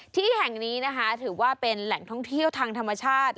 ที่แห่งนี้นะคะถือว่าเป็นแหล่งท่องเที่ยวทางธรรมชาติ